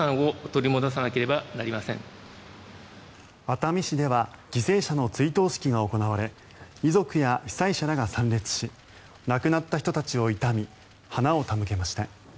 熱海市では犠牲者の追悼式が行われ遺族や被災者らが参列し亡くなった人たちを悼み花を手向けました。